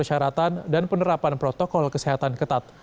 dengan sejumlah persyaratan dan penerapan protokol kesehatan ketat